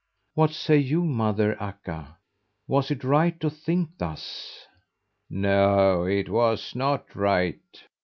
What say you, Mother Akka? Was it right to think thus?" "No, it was not right!"